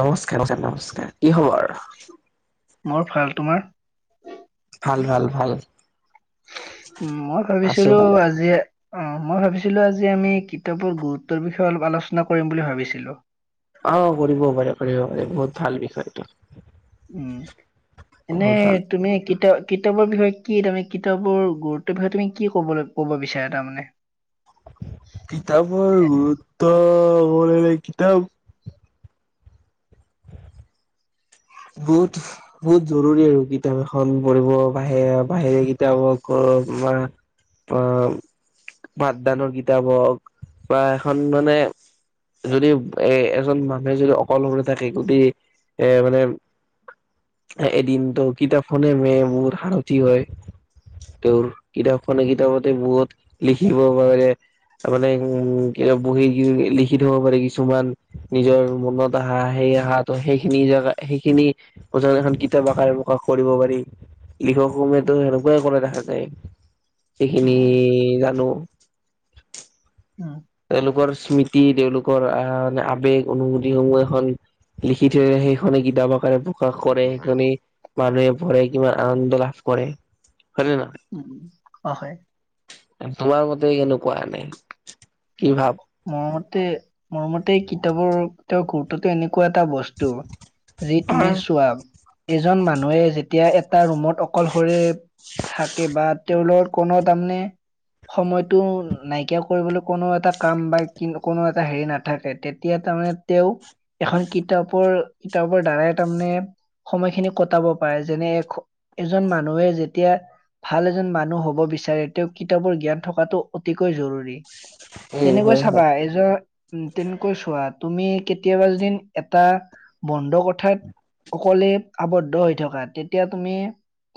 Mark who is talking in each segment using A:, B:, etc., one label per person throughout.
A: নমস্কাৰ ছাৰ নমস্কাৰ কি খবৰ
B: মোৰ ভাল তোমাৰ
A: ভাল ভাল ভাল
B: উ মই
A: আছো
B: ভাবিছিলো
A: ভালে
B: আজি অ মই ভাবিছিলো আজি আমি কিতাপৰ গুৰুত্বৰ বিষয়ে অলপ আলোচনা কৰিম বুলি ভাবিছিলো
A: অ কৰিবও পাৰে কৰিব পাৰে বহুত ভাল বিষয়টো
B: উম এনে
A: বহুত ভাল
B: তুমি কেতিয়া কিতাপৰ বিষয়ে কি তাৰমানে কিতাপৰ গুৰুত্বৰ বিষয়ে তুমি কি ক'বলৈ ক'ব বিচাৰা তাৰ মানে
A: কিতাপৰ গুৰুত্ব সবৰে কিতাপ বহুত বহুত জৰুৰী আৰু কিতাপ এখন পঢ়িব বি বাহিৰে কিতাপ হওক বা আহ পাঠদানৰ কিতাপ হওক বা এখন মানে যদি এ এজন মানুহে যদি অকলশৰে থাকে গদি এ মানে এদিনতো কিতাপখনে মে বহুত সাৰথি হয় তেওঁৰ কিতাপখনে কিতাপতে বহুত লিখিব পাৰে মানে উ কিতাপ বহি লিখি থব পাৰে কিছুমান নিজৰ মনত আহা সেই অহা খিনি সেইখিনি জেগা সেইখিনি এখন কিতাপ আকাৰে প্ৰকাশ কৰিব পাৰি লিখক সমূহেতো সেনেকুৱাই কৰা দেখা যায় সেইখিনি
B: উম,
A: জানো
B: অ
A: তেওঁলোকৰ স্মৃতি তেওঁলোকৰ আহ আৱেগ অনুভূতি সমূহ এখন লিখি থৈ সেইখনে কিতাপ আকাৰে প্ৰকাশ কৰে সেইখিনি, মানুহে ভৰে কিমান আনন্দ লাভ কৰে। হয়নে নহয়?
B: উম! অ হয়।
A: তোমাৰ মতে কেনেকুৱা নাই কি ভাব।
B: মোৰমতে মোৰ মতে কিতাপৰ কে গুৰুততো এনেকুৱা এনেকুৱা এটা বস্তু যি তুমি চোৱা এজন মানুহে যেতিয়া এটা ৰুমত অকলশৰে থাকে বা তেওঁলোক কোনো তাৰমানে সময়তটো নাইকিয়া কৰিবলৈ কোনো এটা কাম বা কোনো এটা হেৰি নাথাকে তেতিয়া তাৰমানে তেওঁ এখন কিতাপৰ কিতাপৰ দ্বাৰাই তাৰমানে সময়খিনি কটাব পাৰে। যেনে এ এজন মানুহে যেতিয়া ভাল এজন মানুহ হব বিচাৰে তেওঁ কিতাপৰ জ্ঞান থকাটো অতিকৈ জৰুৰী।
A: উম,
B: তেনেকৈ
A: হয়,
B: চাবা
A: হয়,
B: এযোৰ তেনেকৈ চোৱা তুমি কেতিয়াবা যদিন এটা বন্ধ কথাত অকলে আৱদ্ধ হৈ থকা তেতিয়া তুমি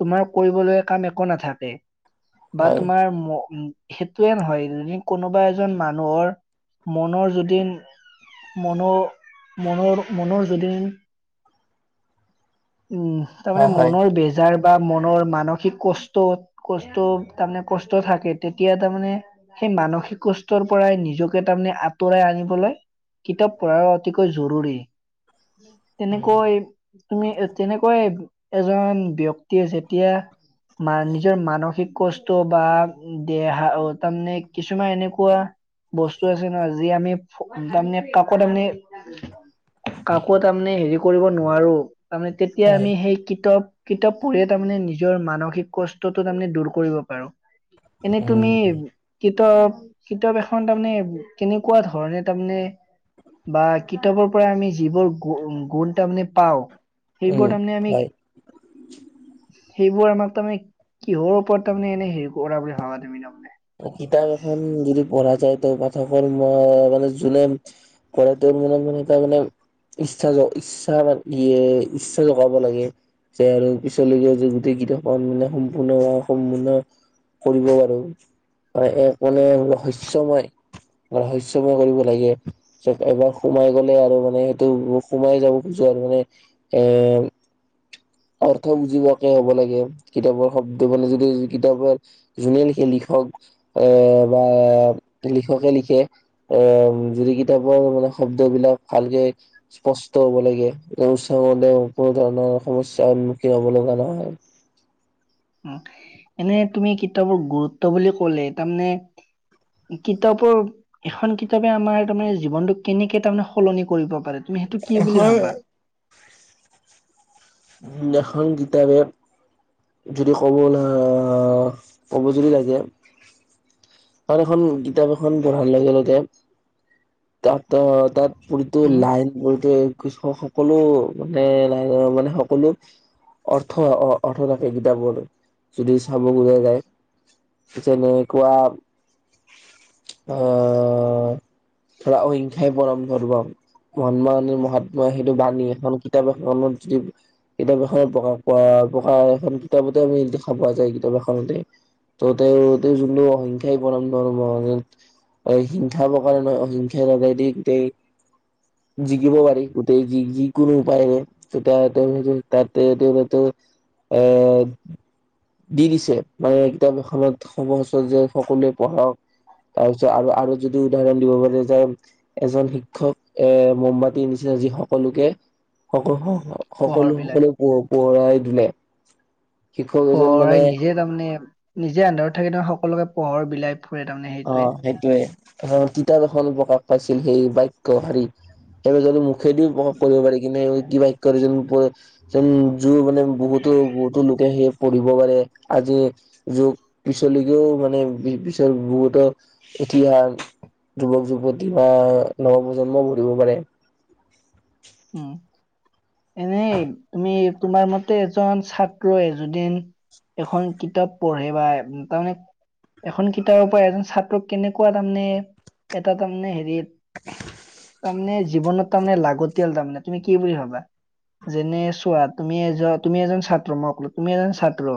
B: তোমাৰ কৰিবলৈ কাম একো নাথাকে [inaudible] বা
A: হয়,
B: তোমাৰ সেইটোয়ে নহয় যে কোনোবা এজন মানুহ মানুহৰ মনৰ যদিন মনৰ মনৰ মনৰ যদিন [inaudible] উম তাৰমানে
A: হয়, হয়,
B: মনৰ বেজাৰ বা মনৰ মানসিক কষ্ট কষ্ট তাৰমানে কষ্ট থাকে তেতিয়া তাৰমানে সেই মানসিক কষ্টৰ পৰাই নিজকে তাৰমানে আঁতৰাই আনিবলৈ কিতাপ পঢ়া অতিকৈ জৰুৰী [inaudible] তেনেকৈ তুমি তেনেকৈ এজন ব্যক্তিয়ে যেতিয়া মা নিজৰ মানসিক কষ্ট বা দেহা তাৰমানে কিছুমান এনেকুৱা বস্তু আছে, ন যি আমি তাৰমানে কাকত অ কাকো তাৰমানে হেৰি কৰিব নোৱাৰো [inaudible] তাৰমানে তেতিয়া
A: হয়।
B: আমি সেই কিতা কিতাপ পঢ়িয়ে তাৰমানে নিজৰ মানসিক কষ্টটো তাৰে দূৰ কৰিব পাৰো [inaudible] এনেই তুমি
A: উম,
B: কি ত [inaudible] কিতাপ এখন তাৰমানে কেনেকুৱা ধৰণে তাৰমানে বা কিতাপৰ পৰা আমি যিবোৰ গুণ তাৰমানে পাওঁ [inaudible] সেইবোৰ
A: উম,
B: তাৰমানে আমি
A: হয়।
B: [inaudible] সেইবোৰ আমাক তাৰমানে কিহৰ ওপৰত তাৰমানে এনে হেৰি কৰা বুলি ভাবা তুমি তাৰমানে [inaudible]
A: কিতাপ এখন যদি পঢ়া যায় তেওঁ পাঠকৰ মানে যোনে পঢ় তেওঁৰ মনত মানে এটা মানে ইচ্ছা ইচ্ছা ইচ্ছা জগাব লাগে যে আৰু পিছলৈ য যে গোটেই কিতাপখন মান সম্পূৰ্ণ সম্পূৰ্ণ কৰিব পাৰো। [inaudible] এক মানে ৰহস্যয়ময় ৰহস্যময় কৰিব লাগে এবাৰ সোমাই গলে আৰু মানে সেইটো সোমাই যাব খোজো আৰু মানে এ অৰ্থ বুজিবকে হ'ব লাগে কিতাপৰ শব্দ মানে যদি কিতাপৰ যোনে লিখে লিখক এ বা লিখকে লিখে এ যদি কিতাপৰ মানে শব্দবলাক ভালকে স্পষ্ট হব লাগে কোনো ধৰণৰ সমস্যাৰ সন্মুখীন হ'ব লগা নহয়। [inaudible]
B: এনে তুমি কিতাপৰ গুৰুত্ব বুলি ক'লে তাৰমানে কিতাপৰ এখন কিতাপে আমাৰ তাৰমানে জীৱনটো কেনেকে তাৰমানে সলনি কৰিব পাৰে। [inaudible] তুমি সেইটো কি বুলি
A: এখন
B: ভাবা। [inaudible]
A: এখন কিতাপে যদি কব ক'ব যদি লাগে ত এখন কিতাপ এখন পঢ়াৰ লগে লগে তাত অহ তাত কোনটো
B: উম
A: লাইন কৃষক সকলো মানে মানে সকলো অৰ্থ অৰ্থ থাকে কিতাপৰ যদি চাব খোজা যায় যেনেকুৱা অহ ধৰা অহিংসাই পৰম ধৰ্ম মহাত্মা গান্ধীৰ মহাত [inaudible] মই সেইটো বানি এখন প্ৰ্যাবাসত যদি [unintelligible] কিতাপ এখনত প্ৰকাশ পোৱা প্ৰকা এখন কিতাপতে আমি দেখা পোৱা যায় কিতাপ এখনতে ত তেওঁ যোন অসংখ্যাই প্ৰাম ধ হিংসা প্ৰকাৰে নহয় অসিংখ্যাই লগাইদি গোটেই জিকিব পাৰি গোটেই যিকোনো উপায়ৰে তেতি তেওঁ সেই তাতে তেওঁলে এৰ দি দিছে মানে কিতাপ এখনতচ যে সকলোৱে পঢ়ক তাৰপিছত আৰু আৰু যদি উদাহৰণ দিব পাৰে যে এজন শিক্ষক এ মোম্বাতিৰ নিচিনা যি সকলোকে স
B: পোহৰ
A: সকলো
B: বিলাই
A: সকলো পো পোহৰাই তুলে আ [unintelligible]
B: পঢ়াই নিজে তাৰমানে নিজে আন্দাৰত থাকি সকলোকে পোহৰ বিলাই ফুৰে তাৰমানে সেইটোৱে [inaudible]
A: এ তিতা এখন প্ৰকা পাইছিল সেই বাইক হেৰি সেইব মুখেদিও প্ৰকাশ কৰিব পাৰি কিন্তু কিবাকয় যে যেন জোৰ মানে বহুতো বহুতো লোকে সেই পঢ়িব পাৰে আজি য পিছলিকেও মানে পিছৰ বহুত ইতিহাস যুৱক যুৱতী বা নৱপ্ৰজন্ম পঢ়িব পাৰে
B: উম এনেই তুমি তোমাৰ মতে এজন ছাত্ৰই এযদিন এখন কিতাপ পঢ়ে বা তাৰমানে এখন কিতাপৰ পৰা এজন ছাত্ৰ কেনেকুৱা তাৰমানে এটা তাৰমানে হেৰিত তাৰমানে জীৱনত তাৰমানে লাগত তিয়াল তাৰমানে তুমি কি বুলি ভাবা যেনে চোৱা তুমি এজন তুমি এজন ছাত্ৰ মই ক'লো তুমি এজন ছাত্ৰ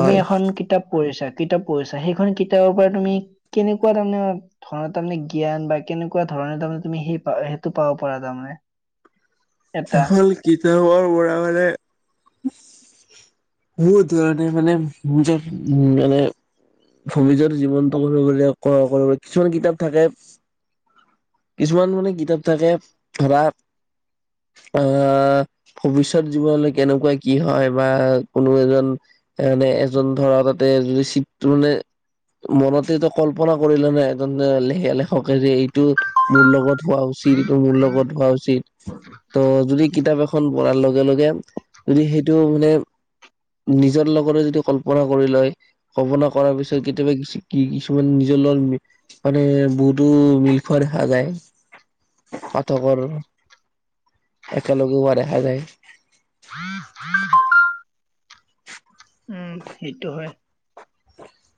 B: তুমি এখন কিতাপ পঢ়িছা কিতাপ পঢ়িছা সেইখন কিতাপৰ পৰা তুমি কেনেকুৱা তাৰমানে ধৰণৰ তাৰমানে জ্ঞান বা কেনেকুৱা ধৰণে তাৰমানে তুমি সেই প সেইটো পাব পাৰা তাৰমানে এটা
A: এখন কিতাপৰ পৰাঢ় মানে মোৰণ মানে যে উ মানে ভৱিষ্যত জীৱনটো কৰিব কৰিব কিছুমান কিতাপ থাকে কিছুমান মানে কিতাপ থাকে ধৰা আহ ভৱিষ্যত জীৱনলৈ কেনেকুৱা কি হয় বা কোনো এজন মানে এজন ধৰা তাতে যদি চিটো মানে মনতেতো কল্পনা কৰিলে ন এজন লে লেখকে যে ইটো মোৰ লগত হোৱা উচিত ইটো মোৰ লগত হোৱা উচিত ত যদি কিতাপ এখন পঢ়াৰ লগে লগে যদি সেইটো মানে নিজৰ লগৰে যদি কল্পনা কৰি লয় কল্পনা কৰাৰ পিছত কেতিয়াবা কি কিছুমান নিজৰ লগত মানে বহুতো মিল খোৱা দেখা যায় পাঠকৰ একেলগে হোৱা দেখা যায়
B: উম সেইটো হয়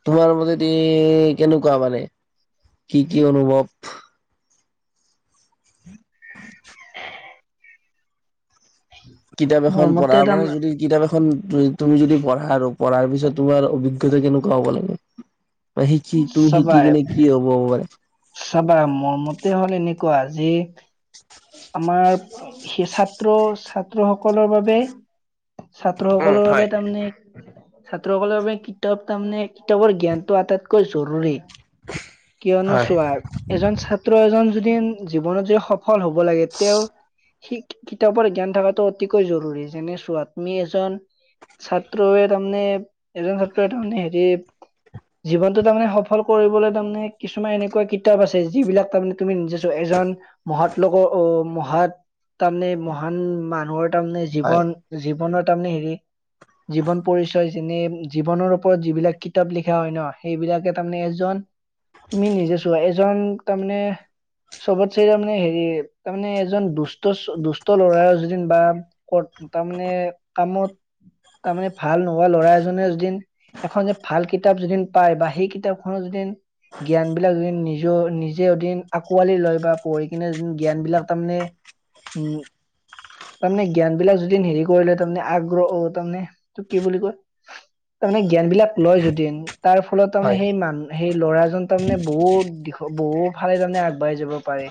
A: তোমাৰ মতে এ কেনেকুৱা মানে কি কি অনুভৱ কিতাপ এখন
B: মোৰ মতে
A: পঢ়া
B: তাৰ
A: মানে যদি কিতাপ এখন তুমি যদি পঢ়া আৰু পঢ়াৰ পিছত তোমাৰ অভিজ্ঞতা কেনেকুৱা হ'ব লাগে শিকি তুমি শিকি
B: সবাই
A: কিনে কি হ'ব পাৰে
B: সাব মোৰ মতে হ'লে এনেকুৱা যে আমাৰ সেই ছাত্ৰ ছাত্ৰ সকলৰ বাবে ছাত্ৰ
A: উম
B: সকলৰ বাবে
A: হয়
B: তাৰমানে ছাত্ৰসকলৰ বাবে কিতাপ তাৰমানে কিতাপৰ জ্ঞানতটো আটাইত কৈ জৰুৰী। কিয়নো
A: হয়
B: চোৱা, এজন ছাত্ৰ এজন য জীৱনত যে সফল হব লাগে তেওঁৰ স কিতাপৰ জ্ঞান থকাটো অতিকৈ জৰুৰী, যেনে ছোৱা তুমি এজন ছাত্ৰে তাৰমানে, এজন ছাত্ৰে তাৰমানে হেৰি জীৱনটো তাৰমানে সফল কৰিবলৈ তাৰমানে কিছুমান এনেকুৱা কিতাপ আছে যিবিলাক তাৰমানে তুমি নিজেছো এজন মহাত লগৰ অ' মহৎ তাৰমানে মহান মানুহৰ তাৰে
A: হয়
B: জীৱন জীৱনত তাৰেমানে হেৰি জীৱন পৰিচয় যেনে জীৱনৰ ওপৰত যিবিলাক কিতাপ লিখা হয় ন সেইবিলাকে তাৰমানে এজন তুমি নিজে চোৱা এজন তাৰমানে চবত চে তাৰ মানে হেৰি তাৰমানে এজন দুষ্ট, দুষ্ট ল'ৰা যদিন বা ক'ত তাৰমানে কামত তাৰমানে ভাল নোহোৱা ল'ৰা এজনে যদিন এখন যে ভাল কিতাপ যদিন পায় বা সেই কিতাপখনৰ যদিন জ্ঞানবিলাক যদিন নিজৰ নিজে এদিন আকোঁৱালি লয় বা পঢ়ি কিনে যদিন জ্ঞান বিলাক তাৰমানে উম, তাৰমানে জ্ঞান বিলাক যদিন হেৰি কৰি লয় তাৰমানে আগ্ৰহ তাৰমানে তোক কি বুলি কয় তাৰমানে জ্ঞান বিলাক লয় যদিন তাৰ ফলত তাৰমানে
A: হয়
B: সেই মান সেই ল'ৰা জন তাৰমানে বহুত দিশ বহুত ভালে তাৰমানে আগবাঢ়ি যাব পাৰি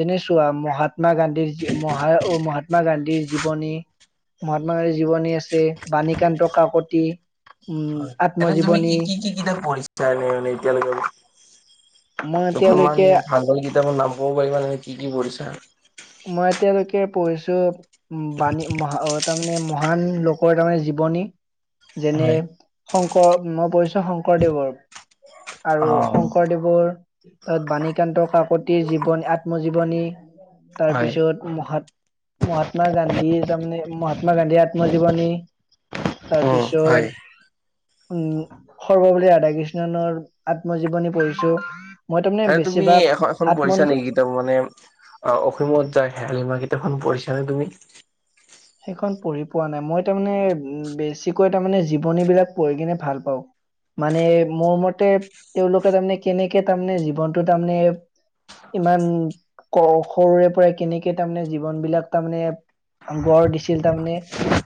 B: যেনে চোৱা মহাত্মা গান্ধীৰ মহা-মহাত্মা গান্ধীৰ জীৱনী, মহাত্মা গান্ধীৰ জীৱনী আছে, বাণীকান্ত কাকতি। উম
A: হয়, এনে তুমি কি,
B: আত্মজীৱনী
A: কি, কি কিতাপ পঢ়িছা এনে এতিয়ালৈকে?
B: মই
A: অকণমান
B: এতিয়ালৈকে
A: ভাল ভাল কিতাপত নাম পাব পাৰিবা, কি কি পঢ়িছা? [inaudible]
B: মই এতিয়ালৈকে পঢ়িছো বাণী মহা তাৰমানে মহান লোকৰ তাৰমানে জীৱনী। যেনে
A: হয়
B: শং কৰ মই পঢ়িছো শংকৰদেৱৰ আৰু শংকৰদেৱৰ তাত বাণীকান্ত কাকতিৰ জীৱনী আত্মজীৱনী
A: হয়
B: তাৰপিছত মহাত্মা মহাত্মা গান্ধীৰ তাৰমানে মহাত্মা গান্ধীৰ আত্মজীৱনী
A: উম
B: তাৰপিছত
A: হয়
B: উম সৰ্বপল্লী ৰাধাকৃষ্ণণনৰ আত্মজীৱনী পঢ়িছো মই তাৰমানে
A: আৰু তুমি এ
B: বেছিভাগ
A: এখন
B: আত্ম
A: পঢ়িছা নেকি কিতাপ মানে অ অসীমত যাৰ হেৰাল সীমা কিতাপ খন পঢ়িছানে তুমি?
B: সেইখন পঢ়ি পোৱা নাই। মই তাৰমানে উ বেছিকৈ তাৰমানে জীৱনী বিলাক পঢ়ি কিনে ভাল পাওঁ। মানে মোৰ মতে তেওঁলোকে তাৰমানে কেনেকে তাৰমানে জীৱনটো তাৰমানে ইমান ক সৰুৰে পৰা কেনেকে তাৰমানে জীৱন বিলাক তাৰমানে গঢ় দিছিল, তাৰমানে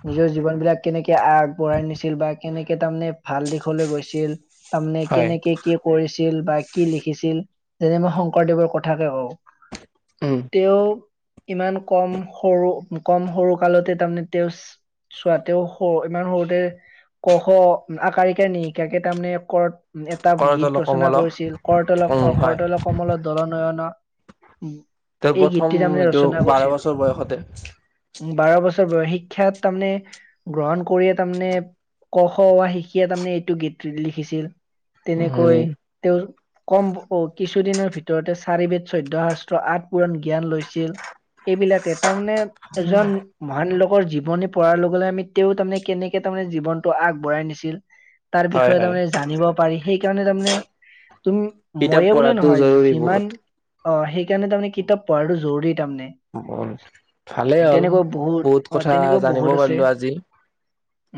B: নিজৰ জীৱন বিলাক কেনেকে আগবঢ়াই নিছিল বা কেনেকে তাৰমানে ভাল দিশলৈ গৈছিল তাৰমানে
A: হয়
B: কেনেকে কি কৰিছিল ছিল বা কি লিখিছিল, যেনে মই শংকৰদেৱৰ কথাকে কওঁ
A: উম
B: তেওঁ ইমান কম সৰু কম সৰু কালতে তাৰমানে তেওঁ চোৱা, তেওঁ সৰু ইমান সৰুতে ক খ আকাৰ ইকাৰ নিশিকাকে তাৰমানে কৰ এটা
A: কৰতল
B: গীত ৰচনা
A: কমল
B: কৰিছিল, কৰ তল
A: উম হয়
B: কৰ তল কমল দল নয়ন
A: তেওঁৰ
B: এই গীতটি
A: প্ৰথম
B: তাৰমানে
A: এইটো
B: ৰচনা
A: বাৰ
B: কৰিছিল
A: বছৰ বয়সতে।
B: বাৰ বছৰ বয়স, শিক্ষাত তাৰমানে গ্ৰহণ কৰিয়ে তাৰমানে ক খ অ আ শিকিয়ে তাৰমানে এইটো গীত লিখিছিল।
A: উম
B: তেনেকৈ তেওঁ কম কিছুদিনৰ ভিতৰতে চাৰি বেদ চৈধ্য শাস্ত্ৰ আঠ পুৰাণ জ্ঞান লৈছিল। এইবিলাকে তাৰমানে এজন মহান লোকৰ জীৱনী পঢ়াৰ লগে লগে আমি তেওঁ তাৰমানে কেনেকে তাৰমানে জীৱনটো আগবঢ়াই নিছিল তাৰ
A: হয়
B: বিষয়ে তাৰ
A: হয়
B: মানে জানিব পাৰি। সেইকাৰণে তাৰমানে।। তুমি
A: কিতাপ
B: ময়ে বোলে
A: পঢ়াটো
B: নহয়।
A: জৰুৰী বহুত
B: যিমান।। অ সেইকাৰণে তাৰমানে কিতাপ পঢ়াটো জৰুৰী।। তাৰমানে
A: অ [inaudible] ভালেই হ'ল
B: তেনেকুৱা
A: বহুত
B: অ
A: কথা
B: তেনেকুৱা
A: জানিব
B: বহুত আছে
A: পাৰলো আজি।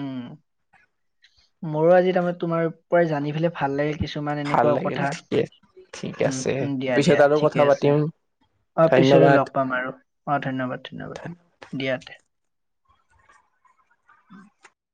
B: উম মোৰো আজি তাৰমানে তোমাৰ পৰাই জানি ফেলাই ভালেই। কিছুমান
A: ভাল
B: এনেকুৱা
A: লাগিল
B: কথা
A: ঠিকে ঠিক
B: উম
A: আছে
B: উম দিয়া
A: পিছত
B: দিয়া
A: আৰু কথা
B: ঠিকে
A: পাতিম
B: আছে। অ পিছলৈ
A: ধন্যবাদ।
B: লগ পাম আৰু অ ধন্যবাদ। ধন্যবাদ দিয়াতে। উ [inaudible]